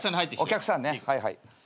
お客さんねはいはい。